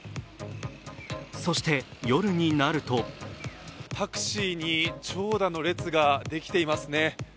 そして夜になるとタクシーに長蛇の列ができていますね。